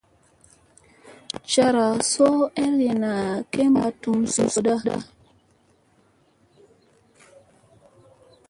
Cara soo ergena kemba tum soora.